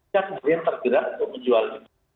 dia kemudian tergerak untuk menjualnya